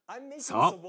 そう。